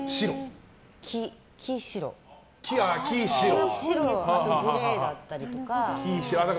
木、白とグレーだったりとか。